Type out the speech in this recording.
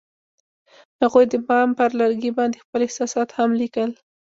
هغوی د بام پر لرګي باندې خپل احساسات هم لیکل.